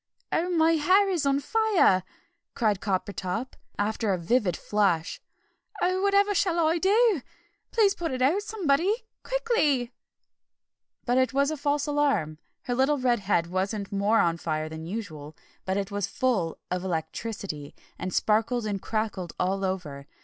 "Oh, my hair is on fire!" cried Coppertop, after a vivid flash. "Oh, whatever shall I do? Please put it out, somebody. Quickly!" [Illustration: "Oh, my hair is on fire!" cried Coppertop.] But it was a false alarm. Her little red head wasn't more on fire than usual, but it was full of electricity, and sparkled and crackled all over.